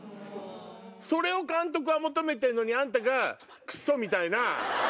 それを監督が求めてるのにあんたがクソみたいな。